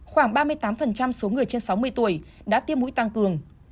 khoảng ba mươi tám số người trên sáu mươi tuổi đã tiêm mũi tăng cường